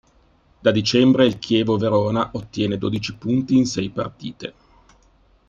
Da dicembre il Chievo Verona ottiene dodici punti in sei partite.